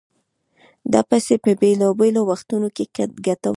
دا پيسې په بېلابېلو وختونو کې ګټم.